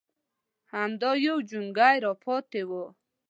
_همدا يو جونګۍ راپاتې و.